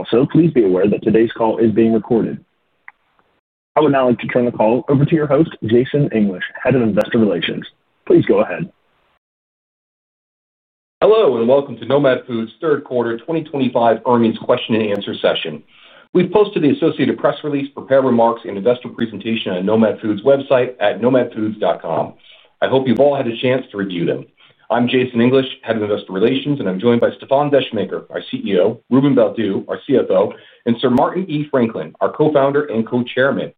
Also, please be aware that today's call is being recorded. I would now like to turn the call over to your host, Jason English, Head of Investor Relations. Please go ahead. Hello and welcome to Nomad Foods' third quarter 2025 earnings question and answer session. We've posted the associated press release, prepared remarks, and investor presentation on Nomad Foods' website at nomadfoods.com. I hope you've all had a chance to review them. I'm Jason English, head of investor relations, and I'm joined by Stéfan Descheemaeker, our CEO, Ruben Baldew, our CFO, and Sir Martin E. Franklin, our co-founder and co-chairman.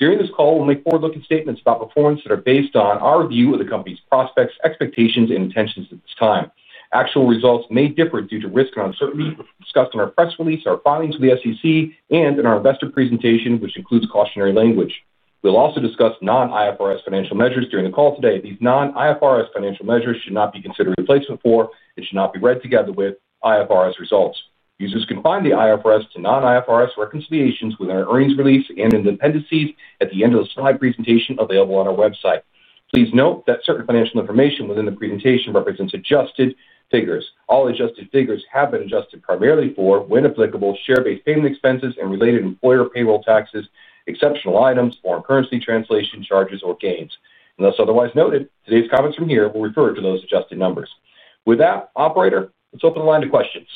During this call, we'll make forward-looking statements about performance that are based on our view of the company's prospects, expectations, and intentions at this time. Actual results may differ due to risk and uncertainty, which we discussed in our press release, our filings with the SEC, and in our investor presentation, which includes cautionary language. We'll also discuss non-IFRS financial measures during the call today. These non-IFRS financial measures should not be considered a replacement for and should not be read together with IFRS results. Users can find the IFRS to non-IFRS reconciliations within our earnings release and in the appendices at the end of the slide presentation available on our website. Please note that certain financial information within the presentation represents adjusted figures. All adjusted figures have been adjusted primarily for, when applicable, share-based payment expenses and related employer payroll taxes, exceptional items, foreign currency translation charges, or gains. Unless otherwise noted, today's comments from here will refer to those adjusted numbers. With that, operator, let's open the line to questions.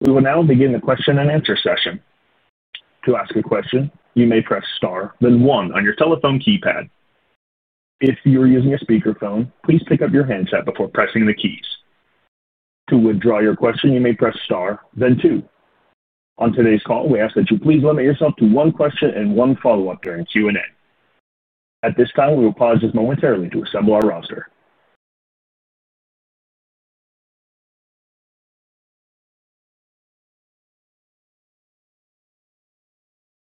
We will now begin the question and answer session. To ask a question, you may press star, then one on your telephone keypad. If you are using a speakerphone, please pick up your handset before pressing the keys. To withdraw your question, you may press star, then two. On today's call, we ask that you please limit yourself to one question and one follow-up during Q&A. At this time, we will pause just momentarily to assemble our roster.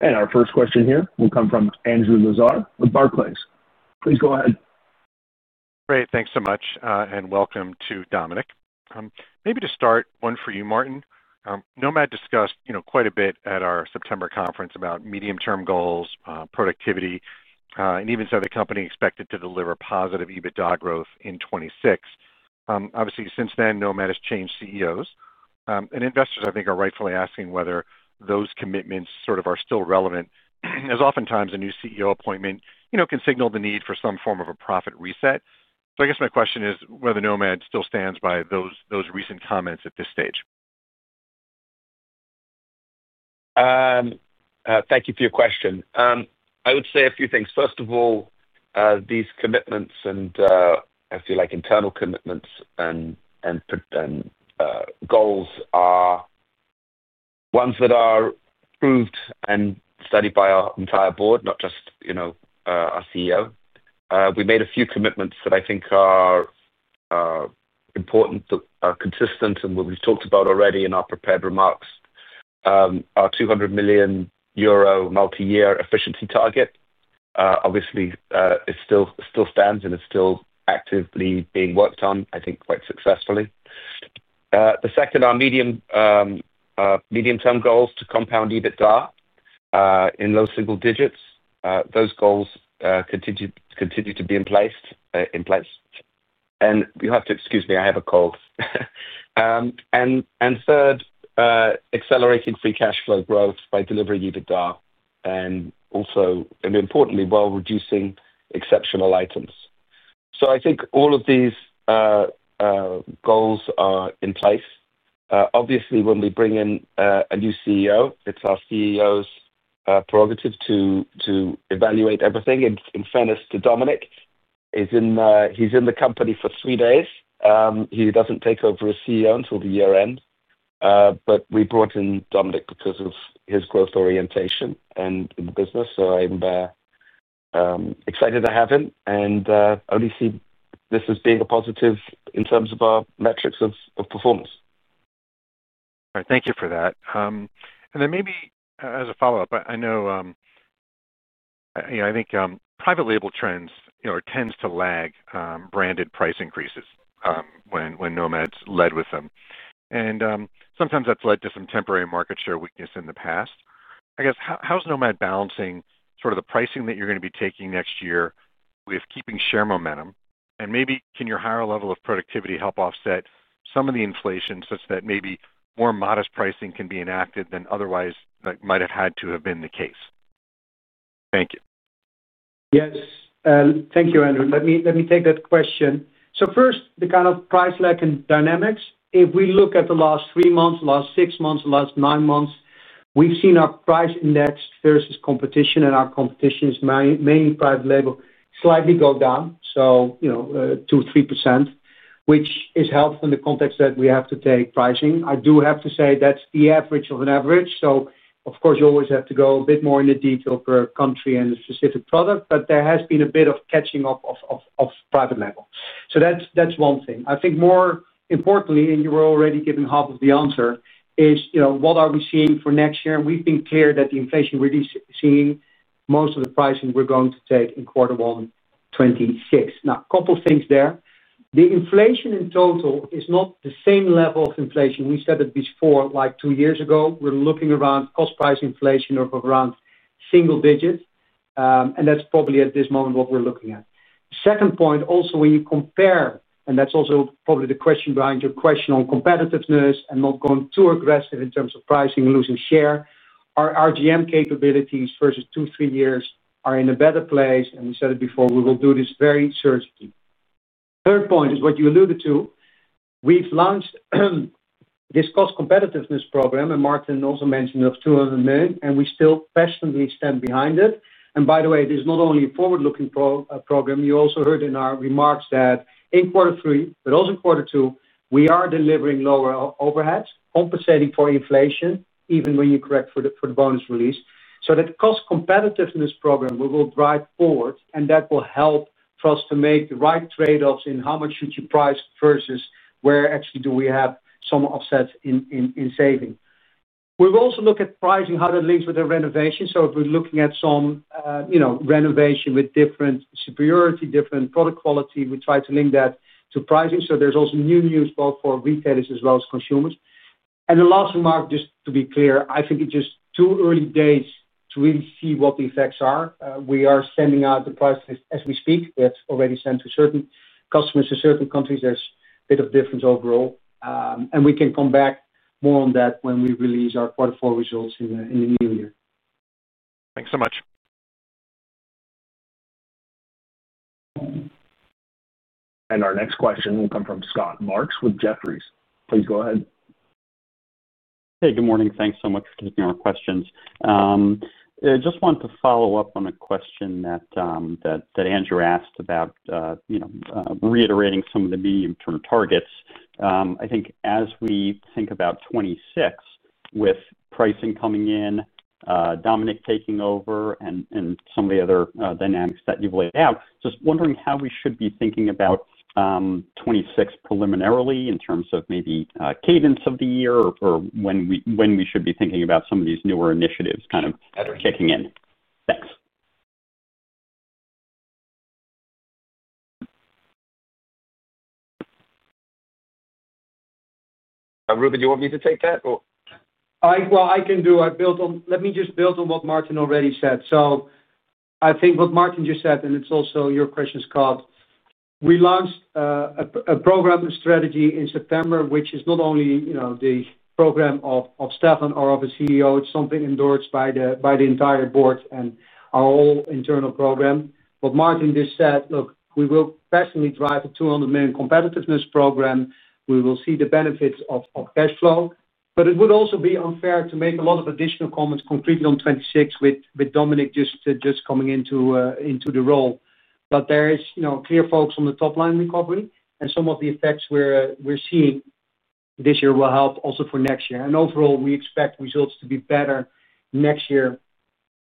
And our first question here will come from Andrew Lazar of Barclays. Please go ahead. Great. Thanks so much, and welcome to Dominic. Maybe to start, one for you, Martin. Nomad discussed quite a bit at our September conference about medium-term goals, productivity, and even said the company expected to deliver positive EBITDA growth in 2026. Obviously, since then, Nomad has changed CEOs, and investors, I think, are rightfully asking whether those commitments sort of are still relevant, as oftentimes a new CEO appointment can signal the need for some form of a profit reset. My question is whether Nomad still stands by those recent comments at this stage. Thank you for your question. I would say a few things. First of all. These commitments and, I feel like, internal commitments and. Goals are. Ones that are proved and studied by our entire board, not just. Our CEO. We made a few commitments that I think are. Important, that are consistent, and what we've talked about already in our prepared remarks. Our 200 million euro multi-year efficiency target, obviously, still stands and is still actively being worked on, I think, quite successfully. The second, our medium. Term goals to compound EBITDA. In low single digits. Those goals continue to be in place. And you have to excuse me, I have a cold. And third. Accelerating free cash flow growth by delivering EBITDA and also, importantly, while reducing exceptional items. So I think all of these goals are in place. Obviously, when we bring in a new CEO, it's our CEO's prerogative to evaluate everything. In fairness to Dominic, he's in the company for three days. He doesn't take over as CEO until the year end. But we brought in Dominic because of his growth orientation in the business. So I'm. Excited to have him and only see this as being a positive in terms of our metrics of performance. All right. Thank you for that. And then maybe as a follow-up, I know. I think private label trends tend to lag branded price increases when Nomad's led with them. And sometimes that's led to some temporary market share weakness in the past. I guess, how's Nomad balancing sort of the pricing that you're going to be taking next year with keeping share momentum? And maybe, can your higher level of productivity help offset some of the inflation such that maybe more modest pricing can be enacted than otherwise might have had to have been the case? Thank you. Yes. Thank you, Andrew. Let me take that question. So first, the kind of price lag and dynamics, if we look at the last three months, last six months, last nine months, we've seen our price index versus competition, and our competition is mainly private label, slightly go down, so. 2%, 3%, which is helpful in the context that we have to take pricing. I do have to say that's the average of an average. So, of course, you always have to go a bit more in the detail per country and the specific product, but there has been a bit of catching up of private label. So that's one thing. I think more importantly, and you were already given half of the answer, is what are we seeing for next year? And we've been clear that the inflation we're seeing, most of the pricing we're going to take in quarter one, 2026. Now, a couple of things there. The inflation in total is not the same level of inflation. We said it before, like two years ago, we're looking around cost price inflation of around single digits. And that's probably at this moment what we're looking at. Second point, also when you compare, and that's also probably the question behind your question on competitiveness and not going too aggressive in terms of pricing and losing share, our RGM capabilities versus two, three years are in a better place. And we said it before, we will do this very certainly. Third point is what you alluded to. We've launched. This cost competitiveness program, and Martin also mentioned of 200 million, and we still passionately stand behind it. And by the way, it is not only a forward-looking program. You also heard in our remarks that in quarter three, but also quarter two, we are delivering lower overheads, compensating for inflation, even when you correct for the bonus release. So that cost competitiveness program, we will drive forward, and that will help for us to make the right trade-offs in how much should you price versus where actually do we have some offsets in saving. We will also look at pricing, how that links with the renovation. So if we're looking at some. Renovation with different superiority, different product quality, we try to link that to pricing. So there's also new news both for retailers as well as consumers. And the last remark, just to be clear, I think it's just too early days to really see what the effects are. We are sending out the price list as we speak. We have already sent to certain customers in certain countries. There's a bit of difference overall. And we can come back more on that when we release our quarter four results in the new year. Thanks so much. And our next question will come from Scott Marks with Jefferies. Please go ahead. Hey, good morning. Thanks so much for taking our questions. I just wanted to follow up on a question that. Andrew asked about. Reiterating some of the medium-term targets. I think as we think about 2026, with pricing coming in. Dominic taking over, and some of the other dynamics that you've laid out, just wondering how we should be thinking about 2026 preliminarily in terms of maybe cadence of the year or when we should be thinking about some of these newer initiatives kind of kicking in. Thanks. Ruben, do you want me to take that? Well, I can do it. Let me just build on what Martin already said. So I think what Martin just said, and it's also your question, Scott, we launched a program strategy in September, which is not only the program of Stéfan or of a CEO. It's something endorsed by the entire board and our whole internal program. What Martin just said, look, we will passionately drive a 200 million competitiveness program. We will see the benefits of cash flow. But it would also be unfair to make a lot of additional comments concretely on 2026 with Dominic just coming into the role. But there are clear folks on the top line recovery, and some of the effects we're seeing this year will help also for next year. And overall, we expect results to be better next year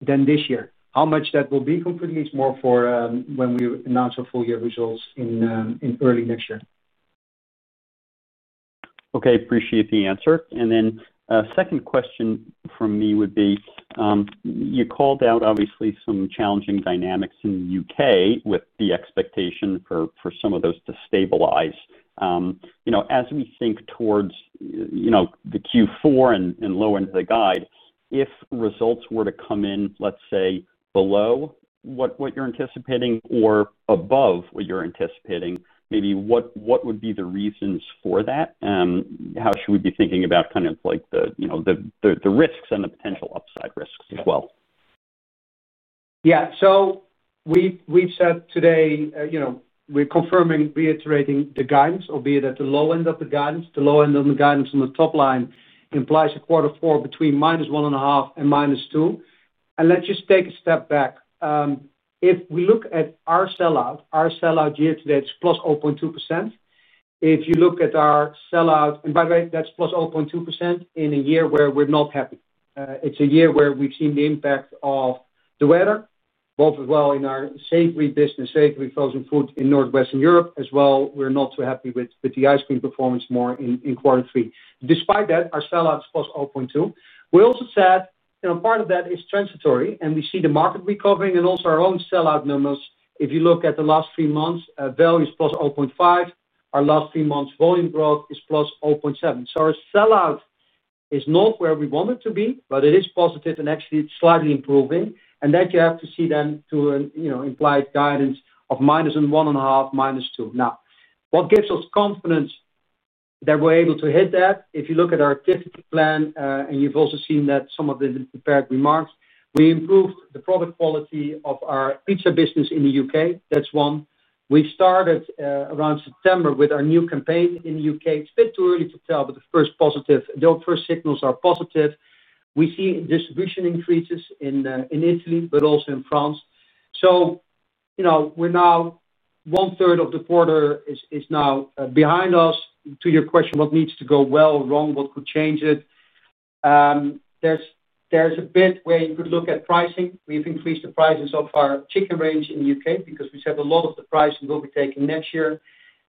than this year. How much that will be concretely is more for when we announce our full year results in early next year. Okay. Appreciate the answer. And then second question for me would be. You called out, obviously, some challenging dynamics in the U.K. with the expectation for some of those to stabilize. As we think towards. The Q4 and lower into the guide, if results were to come in, let's say, below what you're anticipating or above what you're anticipating, maybe what would be the reasons for that? How should we be thinking about kind of the risks and the potential upside risks as well? Yeah. So. We've said today. We're confirming, reiterating the guidance, albeit at the low end of the guidance. The low end of the guidance on the top line implies a quarter four between -1.5 and -2. And let's just take a step back. If we look at our sellout, our sellout year to date is +0.2%. If you look at our sellout, and by the way, that's +0.2% in a year where we're not happy. It's a year where we've seen the impact of the weather, both as well in our savory business, savory frozen food in Northwestern Europe, as well we're not too happy with the ice cream performance more in quarter three. Despite that, our sellout is +0.2%. We also said part of that is transitory, and we see the market recovering and also our own sellout numbers. If you look at the last three months, value is +0.5%. Our last three months volume growth is +0.7%. So our sellout is not where we want it to be, but it is positive and actually it's slightly improving. And that you have to see then to imply guidance of -1.5, -2. Now, what gives us confidence. That we're able to hit that? If you look at our difficulty plan, and you've also seen that some of the prepared remarks, we improved the product quality of our pizza business in the U.K. That's one. We started around September with our new campaign in the U.K. It's a bit too early to tell, but the first positive, the first signals are positive. We see distribution increases in Italy, but also in France. So. We're now. One-third of the quarter is now behind us. To your question, what needs to go well, wrong, what could change it? There's a bit where you could look at pricing. We've increased the prices of our chicken range in the U.K. because we said a lot of the price will be taken next year.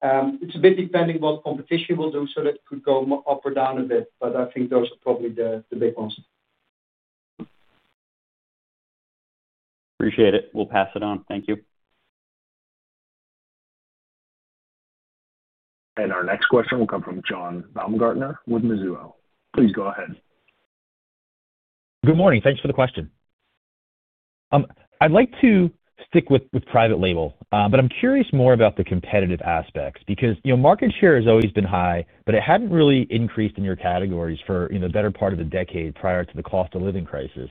It's a bit depending what competition will do so that it could go up or down a bit. But I think those are probably the big ones. Appreciate it. We'll pass it on. Thank you. And our next question will come from John Baumgartner with Mizuho. Please go ahead. Good morning. Thanks for the question. I'd like to stick with private label, but I'm curious more about the competitive aspects because market share has always been high, but it hadn't really increased in your categories for the better part of a decade prior to the cost of living crisis.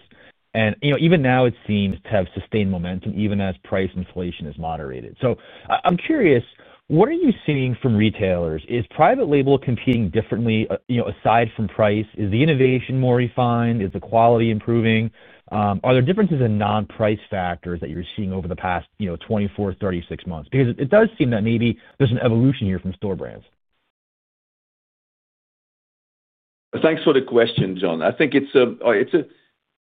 And even now, it seems to have sustained momentum even as price inflation is moderated. So I'm curious, what are you seeing from retailers? Is private label competing differently aside from price? Is the innovation more refined? Is the quality improving? Are there differences in non-price factors that you're seeing over the past 24, 36 months? Because it does seem that maybe there's an evolution here from store brands. Thanks for the question, John. I think it's.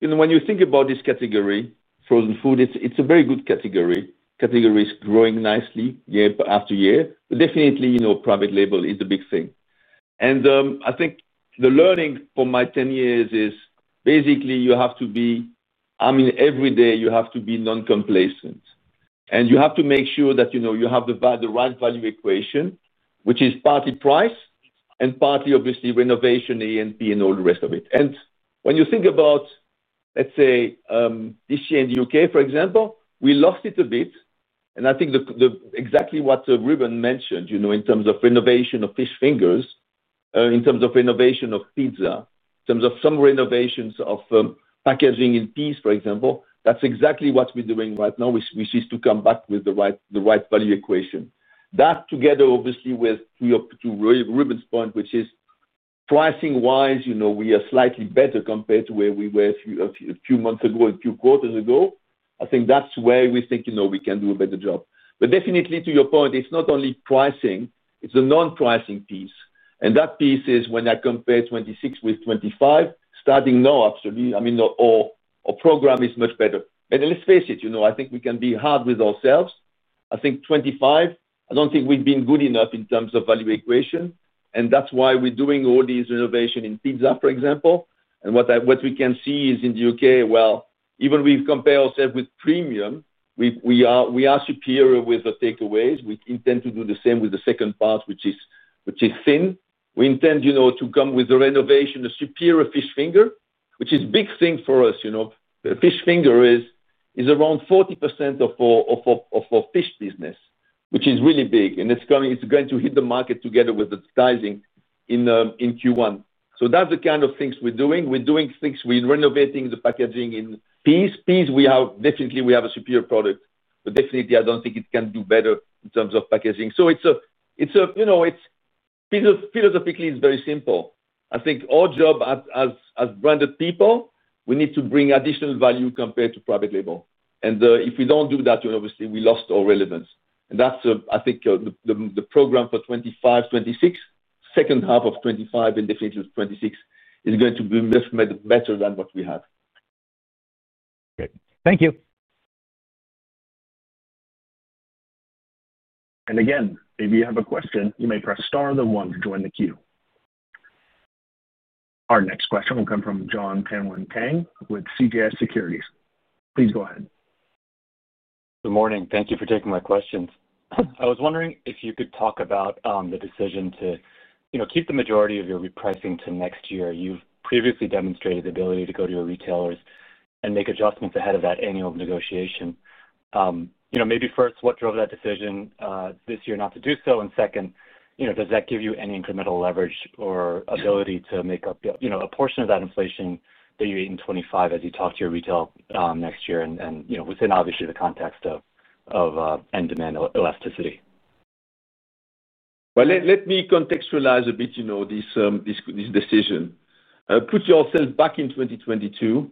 When you think about this category, frozen food, it's a very good category. Category is growing nicely year-after-year. But definitely, private label is the big thing. And I think the learning for my 10 years is basically you have to be, I mean, every day you have to be non-complacent. And you have to make sure that you have the right value equation, which is partly price and partly, obviously, renovation, E&P, and all the rest of it. And when you think about. Let's say. This year in the U.K., for example, we lost it a bit. And I think exactly what Ruben mentioned in terms of renovation of fish fingers, in terms of renovation of pizza, in terms of some renovations of packaging in piece, for example, that's exactly what we're doing right now, which is to come back with the right value equation. That together, obviously, with. To Ruben's point, which is pricing-wise, we are slightly better compared to where we were a few months ago and a few quarters ago. I think that's where we think we can do a better job. But definitely, to your point, it's not only pricing. It's the non-pricing piece. And that piece is when I compare 2026 with 2025, starting now, absolutely, I mean, our program is much better. And let's face it, I think we can be hard with ourselves. I think 2025, I don't think we've been good enough in terms of value equation. And that's why we're doing all these renovations in pizza, for example. And what we can see is in the U.K., well, even we've compared ourselves with premium, we are superior with the takeaways. We intend to do the same with the second part, which is thin. We intend to come with the renovation, the superior fish finger, which is a big thing for us. The fish finger is around 40% of our fish business, which is really big. And it's going to hit the market together with the sizing in Q1. So that's the kind of things we're doing. We're renovating the packaging in piece. Piece, definitely, we have a superior product. But definitely, I don't think it can do better in terms of packaging. So it's. Philosophically, it's very simple. I think our job as branded people, we need to bring additional value compared to private label. And if we don't do that, obviously, we lost our relevance. And that's, I think, the program for 2025, 2026, second half of 2025, and definitely 2026 is going to be much better than what we have. Okay. Thank you. And again, if you have a question, you may press star the one to join the queue. Our next question will come from John Penguin Tang with CGS Securities. Please go ahead. Good morning. Thank you for taking my questions. I was wondering if you could talk about the decision to keep the majority of your repricing to next year. You've previously demonstrated the ability to go to your retailers and make adjustments ahead of that annual negotiation. Maybe first, what drove that decision this year not to do so? And second, does that give you any incremental leverage or ability to make up a portion of that inflation that you ate in 2025 as you talk to your retail next year and within, obviously, the context of. End demand elasticity? Well, let me contextualize a bit this. Decision. Put yourself back in 2022.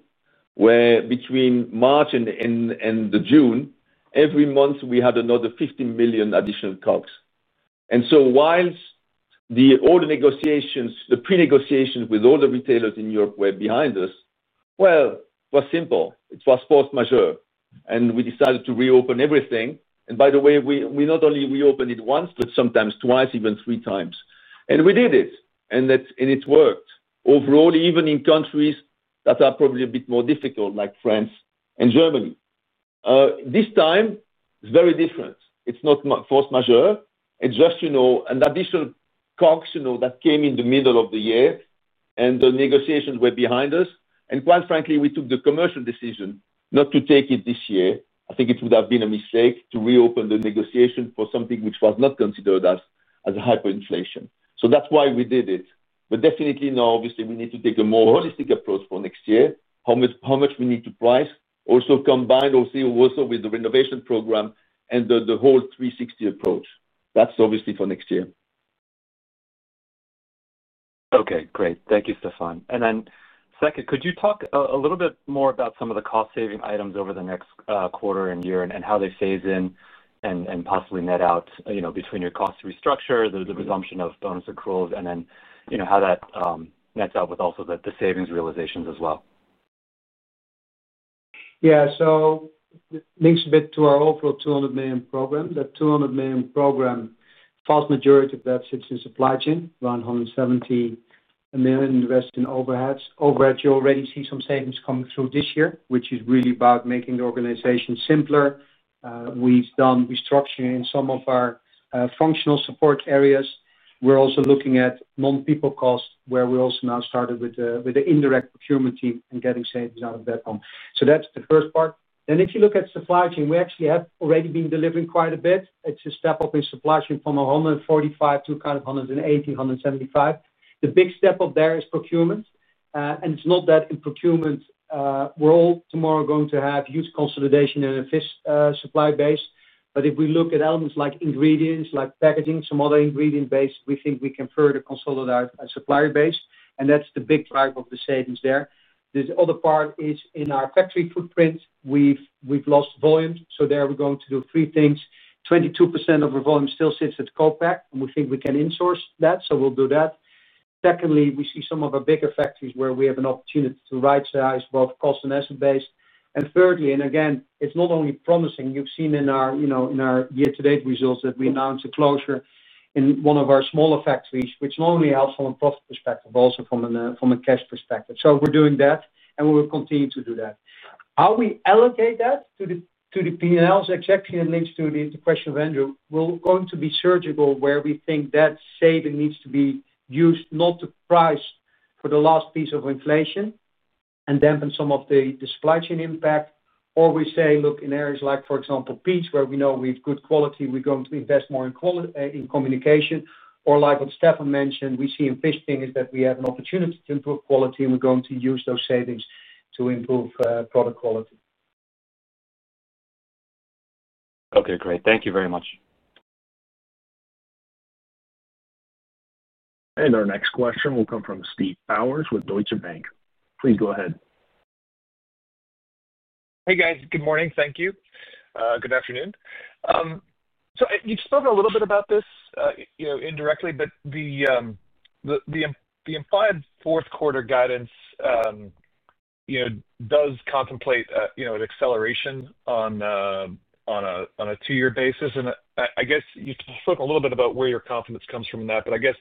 Where between March and. June, every month we had another 15 million additional COGS. And so while. All the negotiations, the pre-negotiations with all the retailers in Europe were behind us, well, it was simple. It was post-measure. And we decided to reopen everything. And by the way, we not only reopened it once, but sometimes twice, even three times. And we did it. And it worked. Overall, even in countries that are probably a bit more difficult, like France and Germany. This time, it's very different. It's not force majeure. It's just an additional COGS that came in the middle of the year. And the negotiations were behind us. And quite frankly, we took the commercial decision not to take it this year. I think it would have been a mistake to reopen the negotiation for something which was not considered as hyperinflation. So that's why we did it. But definitely now, obviously, we need to take a more holistic approach for next year, how much we need to price, also combined also with the renovation program and the whole 360 approach. That's obviously for next year. Okay. Great. Thank you, Stéfan. And then second, could you talk a little bit more about some of the cost-saving items over the next quarter and year and how they phase in and possibly net out between your cost restructure, the resumption of bonus accruals, and then how that. Nets out with also the savings realizations as well? Yeah. So. It links a bit to our overall 200 million program. The 200 million program. False majority. That sits in supply chain, around 170 million invested in overheads. Overhead, you already see some savings coming through this year, which is really about making the organization simpler. We've done restructuring in some of our functional support areas. We're also looking at non-people costs, where we also now started with the indirect procurement team and getting savings out of that one. So that's the first part. Then if you look at supply chain, we actually have already been delivering quite a bit. It's a step up in supply chain from 145 to kind of 180, 175. The big step up there is procurement. And it's not that in procurement, we're all tomorrow going to have huge consolidation in a fish supply base. But if we look at elements like ingredients, like packaging, some other ingredient base, we think we can further consolidate a supply base. And that's the big drive of the savings there. The other part is in our factory footprint, we've lost volume. So there we're going to do three things. 22% of our volume still sits at COPAC, and we think we can insource that, so we'll do that. Secondly, we see some of our bigger factories where we have an opportunity to right-size both cost and asset base. And thirdly, and again, it's not only promising. You've seen in our year-to-date results that we announced a closure in one of our smaller factories, which not only helps from a profit perspective, but also from a cash perspective. So we're doing that, and we will continue to do that. How we allocate that to the P&Ls, exactly it links to the question of Andrew. We're going to be surgical where we think that saving needs to be used not to price for the last piece of inflation and dampen some of the supply chain impact, or we say, "Look, in areas like, for example, peach, where we know we have good quality, we're going to invest more in communication." Or like what Stéfan mentioned, we see in fish things that we have an opportunity to improve quality, and we're going to use those savings to improve product quality. Okay. Great. Thank you very much. And our next question will come from Justin Bowers with Deutsche Bank. Please go ahead. Hey, guys. Good morning. Thank you. Good afternoon. So you've spoken a little bit about this indirectly, but the. Implied fourth-quarter guidance. Does contemplate an acceleration on. A two-year basis. And I guess you spoke a little bit about where your confidence comes from in that, but I guess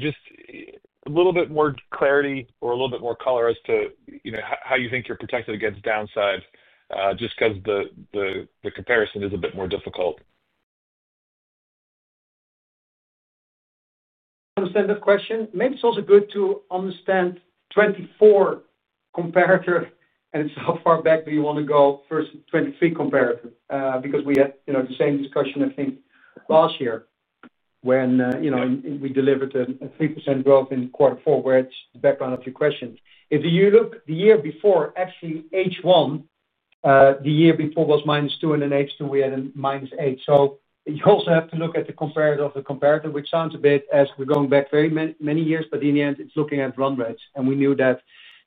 just a little bit more clarity or a little bit more color as to how you think you're protected against downside just because the comparison is a bit more difficult. Understand that question. Maybe it's also good to understand 2024 comparator and how far back do you want to go versus 2023 comparator because we had the same discussion, I think, last year when. We delivered a 3% growth in quarter four, which is the background of your question. If you look the year before, actually, H1. The year before was -2, and in H2, we had a minus eight. So you also have to look at the comparator of the comparator, which sounds a bit as we're going back very many years, but in the end, it's looking at run rates. And we knew that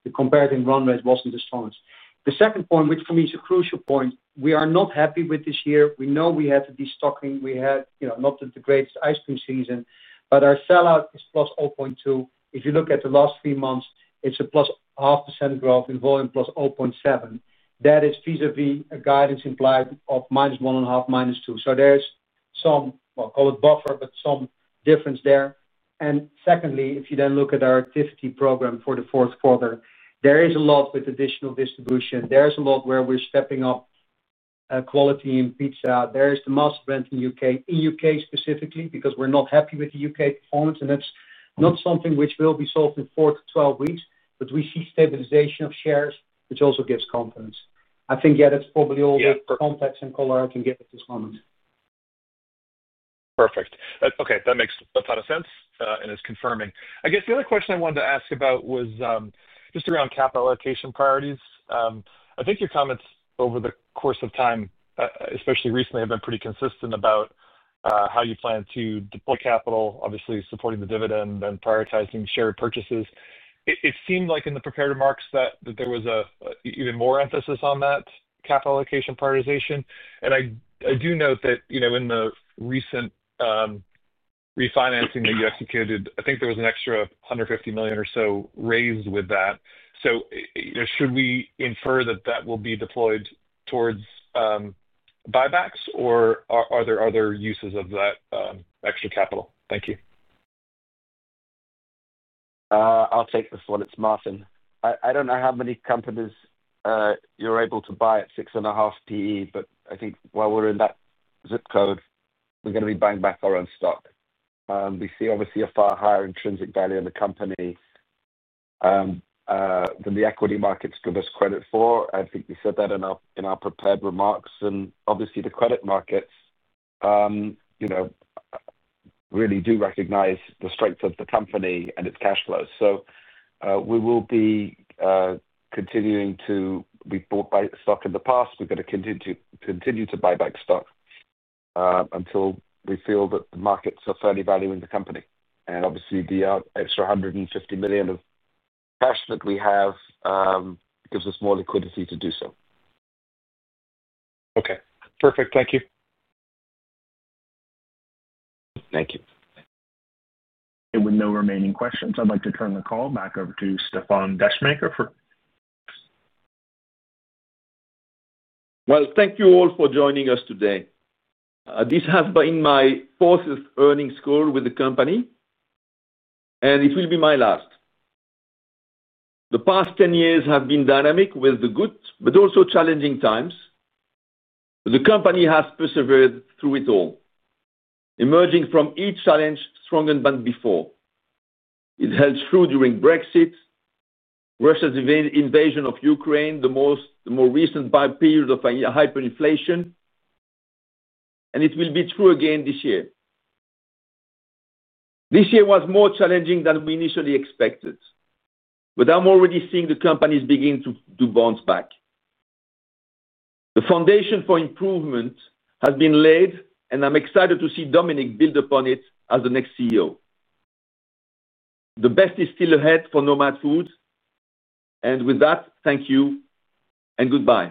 the comparison run rate wasn't the strongest. The second point, which for me is a crucial point, we are not happy with this year. We know we had the destocking. We had not the greatest ice cream season, but our sellout is +0.2%. If you look at the last three months, it's a +0.5% growth in volume +0.7%. That is vis-à-vis a guidance implied of -1.5, -2. So there's some, I'll call it buffer, but some difference there. And secondly, if you then look at our activity program for the fourth quarter, there is a lot with additional distribution. There's a lot where we're stepping up. Quality in pizza. There is the mass brand in the U.K., specifically because we're not happy with the U.K. performance. And that's not something which will be solved in 4-12 weeks, but we see stabilization of shares, which also gives confidence. I think, yeah, that's probably all the context and color I can give at this moment. Perfect. Okay. That makes a lot of sense and is confirming. I guess the other question I wanted to ask about was just around capital allocation priorities. I think your comments over the course of time, especially recently, have been pretty consistent about. How you plan to deploy capital, obviously supporting the dividend and prioritizing share purchases. It seemed like in the prepared remarks that there was even more emphasis on that capital allocation prioritization. And I do note that in the recent. Refinancing that you executed, I think there was an extra 150 million or so raised with that. So should we infer that that will be deployed towards. Buybacks, or are there other uses of that extra capital? Thank you. I'll take this one. It's Martin. I don't know how many companies you're able to buy at six and a half PE, but I think while we're in that zip code, we're going to be buying back our own stock. We see, obviously, a far higher intrinsic value in the company. Than the equity markets give us credit for. I think we said that in our prepared remarks. And obviously, the credit markets. Really do recognize the strength of the company and its cash flow. So we will be. Continuing to be bought by stock in the past. We're going to continue to buy back stock. Until we feel that the markets are fairly valuing the company. And obviously, the extra 150 million of cash that we have. Gives us more liquidity to do so. Okay. Perfect. Thank you. Thank you. And with no remaining questions, I'd like to turn the call back over to Stéfan Deschmaker for. Well, thank you all for joining us today. This has been my fourth earnings call with the company. And it will be my last. The past 10 years have been dynamic with the good, but also challenging times. The company has persevered through it all. Emerging from each challenge stronger than before. It held through during Brexit. Russia's invasion of Ukraine, the more recent period of hyperinflation. And it will be true again this year. This year was more challenging than we initially expected. But I'm already seeing the companies begin to bounce back. The foundation for improvement has been laid, and I'm excited to see Dominic build upon it as the next CEO. The best is still ahead for Nomad Foods. And with that, thank you and goodbye.